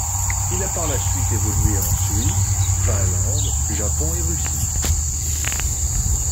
Il a par la suite évolué en Suisse, Finlande, Japon et Russie.